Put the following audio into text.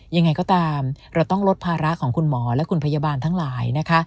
ยังไงก็ตามเราต้องลดภาระของคุณหมอและคุณพยาบาลทั้งหลายนะคะ